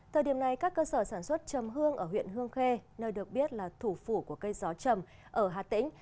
thời điểm này các cơ sở sản xuất chầm hương ở huyện hương khê nơi được biết là thủ phủ của cây gió chầm ở hà tĩnh